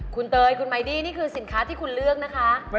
คุณเตยคุณมายดี้นี่คือสินค้าที่คุณเลือกนะคะ